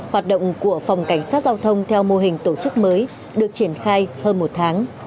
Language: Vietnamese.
hoạt động của phòng cảnh sát giao thông theo mô hình tổ chức mới được triển khai hơn một tháng